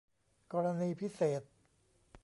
กรณีพิเศษ